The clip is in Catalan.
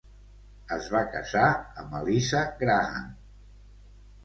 Es va casar amb Eliza Graham.